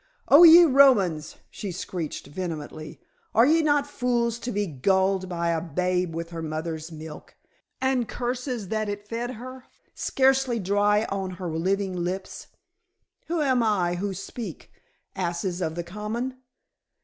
"Oh, ye Romans," she screeched vehemently, "are ye not fools to be gulled by a babe with her mother's milk and curses that it fed her scarcely dry on her living lips? Who am I who speak, asses of the common?